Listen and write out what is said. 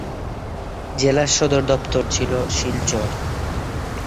জেলা সদর দপ্তর ছিল শিলচর।